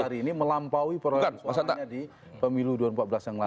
hari ini melampaui prosesnya di pemilu dua ribu empat belas yang lalu